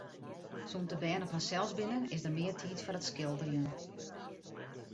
Sûnt de bern op harsels binne, is der mear tiid foar it skilderjen.